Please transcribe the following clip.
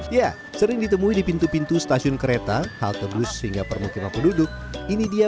ya sering ditemui di pintu pintu stasiun kereta halte bus hingga permukiman penduduk ini dia